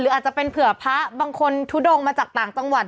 อาจจะเป็นเผื่อพระบางคนทุดงมาจากต่างจังหวัด